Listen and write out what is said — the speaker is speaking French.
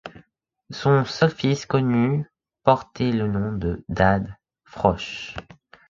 Son seul fils connu portait le nom de Nad Froích.